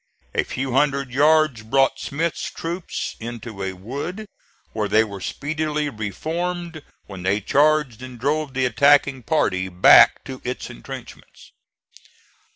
A few hundred yards brought Smith's troops into a wood, where they were speedily reformed, when they charged and drove the attacking party back to his intrenchments.